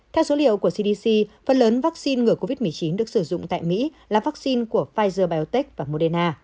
theo số liệu của cdc phần lớn vaccine ngừa covid một mươi chín được sử dụng tại mỹ là vaccine của pfizer biotech và moderna